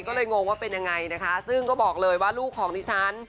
ก็เลยงงว่าเป็นยังไงนะคะซึ่งก็บอกเลยว่าลูกของดิฉัน